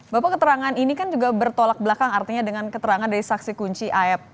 bapak keterangan ini kan juga bertolak belakang artinya dengan keterangan dari saksi kunci ayat